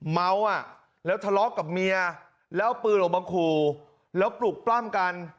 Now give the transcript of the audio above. เม้าส์อ่ะแล้วทะเลาะกับเมียแล้วปืนลงบังคูแล้วปลุกปล้ามกัน